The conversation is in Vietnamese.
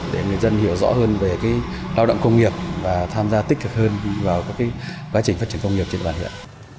để người dân hiểu rõ hơn về lao động công nghiệp và tham gia tích cực hơn vào các quá trình phát triển công nghiệp trên bàn huyện